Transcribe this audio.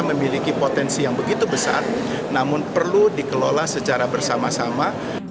memiliki potensi yang begitu besar namun perlu dikelola secara bersama sama